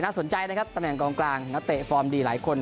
สนใจนะครับตำแหน่งกองกลางนักเตะฟอร์มดีหลายคน